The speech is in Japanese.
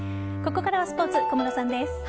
ここからはスポーツ小室さんです。